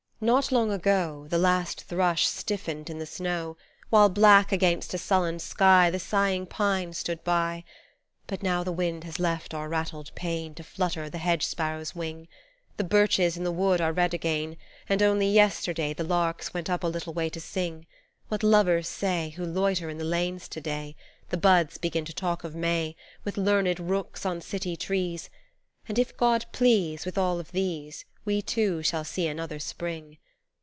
Not long ago The last thrush stiffened in the snow, While black against a sullen sky The sighing pines stood by. But now the wind has left our rattled pane To flutter the hedge sparrow's wing, The birches in the wood are red again And only yesterday The larks went up a little way to sing What lovers say Who loiter in the lanes to day ; The buds begin to talk of May With learned rooks on city trees, And if God please With all of these We too, shall see another Spring.